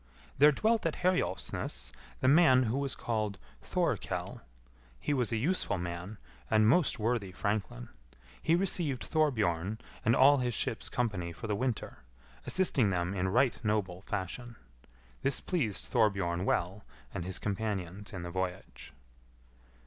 There dwelt at Herjolfsnes the man who was called Thorkell. He was a useful man and most worthy franklin. He received Thorbjorn and all his ship's company for the winter, assisting them in right noble fashion. This pleased Thorbjorn well and his companions in the voyage.